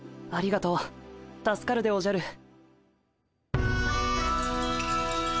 ありがとう助かるでおじゃる。